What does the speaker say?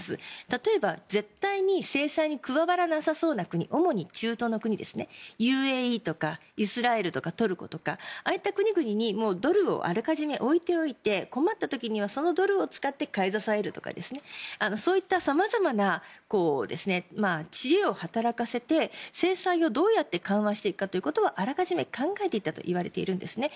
例えば、絶対に制裁に加わらなさそうな国主に中東に国ＵＡＥとかイスラエルとかトルコとか、ああいった国々にあらかじめドルを置いておいて困った時にはそのドルを使って買い支えるとかそういった様々な知恵を働かせて制裁をどうやって緩和していくかということはあらかじめ考えていたといわれているんですね。